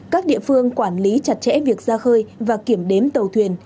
các địa phương quản lý chặt chẽ việc ra khơi và kiểm đếm tàu thuyền